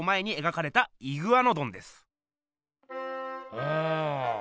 うん。